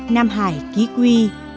nam hải ký quy